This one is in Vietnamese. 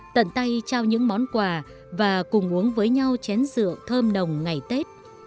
tận tay trao những món quà và cùng uống với nhau chén rượu thơm nồng ngày tết